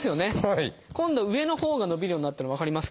今度上のほうが伸びるようになったの分かりますか？